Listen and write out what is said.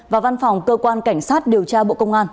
và văn phòng cơ quan cảnh sát điều tra bộ công an